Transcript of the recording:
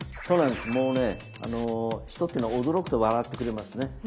もうね人っていうのは驚くと笑ってくれますね。